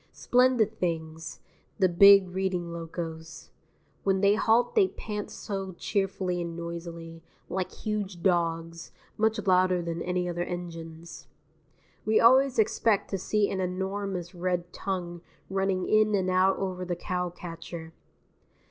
Splendid things, the big Reading locos; when they halt they pant so cheerfully and noisily, like huge dogs, much louder than any other engines. We always expect to see an enormous red tongue running in and out over the cowcatcher.